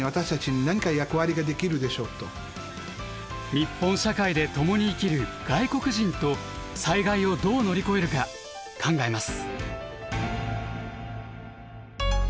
日本社会で共に生きる外国人と災害をどう乗り越えるか考えます。